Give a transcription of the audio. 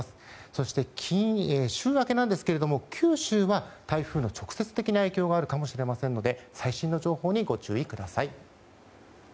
そして週明けなんですが九州は台風の直接的な影響があるかもしれませんので最新の情報にご注意ください。